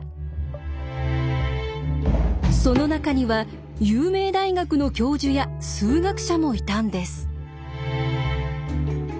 その中には有名大学の教授や数学者もいたんです。